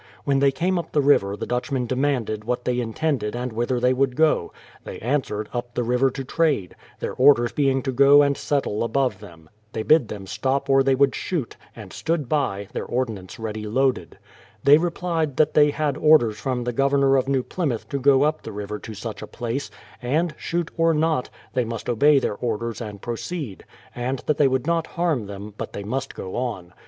When they came up the river the Dutchmen demanded what they intended and whither they would go ; they answered up the river to trade, — their orders being to go and settle above them. They bid them stop or they would shoot, and stood by, tlieir ordnance ready loaded. They replied tliat they had orders from the Governor of New Plymouth to go up the river to such a place, and, shoot or not, they must obey their orders and proceed; and that they would not harm them, but they must go on.